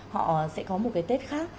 họ sẽ có một cái tết khác